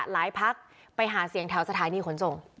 พักไปหาเสียงแถวสถานีขนส่ง